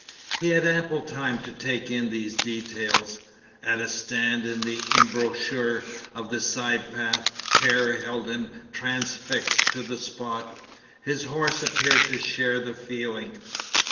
He had ample time to take in these details. At a stand in the embouchure of the side path, terror held him transfixed to the spot. His horse appeared to share the feeling.